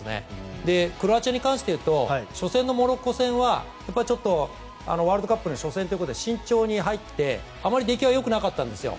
クロアチアに関しては初戦のモロッコ戦はワールドカップの初戦ということで慎重に入って、あまり出来は良くなかったんです。